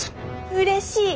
うれしい！